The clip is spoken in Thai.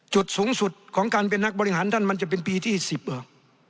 จุดสูงสุดของการเป็นนักบริหารท่านมันจะเป็นปีที่๑๐เหรอ